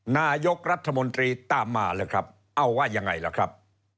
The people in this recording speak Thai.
นายกรัฐมนตรีตามมาเลยครับเอาว่ายังไงล่ะครับ